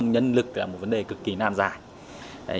nhân lực là một vấn đề cực kỳ nan dài